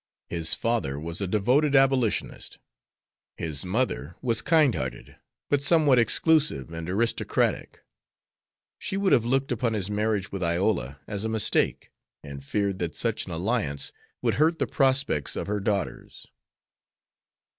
His father was a devoted Abolitionist. His mother was kind hearted, but somewhat exclusive and aristocratic. She would have looked upon his marriage with Iola as a mistake and feared that such an alliance would hurt the prospects of her daughters.